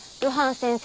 先生！